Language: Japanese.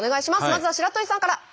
まずは白鳥さんから。